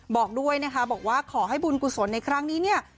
บอกด้วยนะคะบอกว่าขอให้บุญกุศลในครั้งนี้เนี่ย